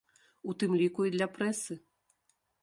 У тым ліку і для прэсы.